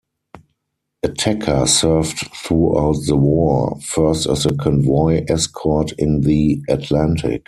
"Attacker" served throughout the war, first as a convoy escort in the Atlantic.